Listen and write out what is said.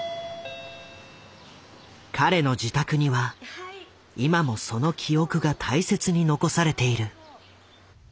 彼の自宅には今もその記憶が大切に残されている。